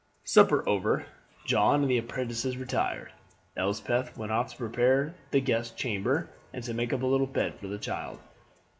Supper over, John and the apprentices retired. Elspeth went off to prepare the guest's chamber and to make up a little bed for the child.